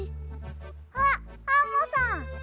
あっアンモさん。